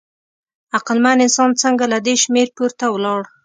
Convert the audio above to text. عقلمن انسان څنګه له دې شمېر پورته ولاړ؟